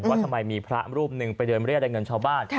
ว่าทำไมมีพระรูปหนึ่งไปเดินเรียกได้เงินชาวบ้าน